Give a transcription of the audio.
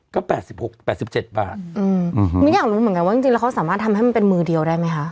ก็๘๖๘๗บาทมิ้นอยากรู้เหมือนกันว่าจริงแล้วเขาสามารถทำให้มันเป็นมือเดียวได้ไหมคะ